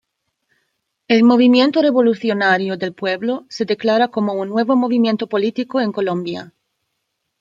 El Movimiento Revolucionario del Pueblo se declara como un nuevo movimiento político en Colombia.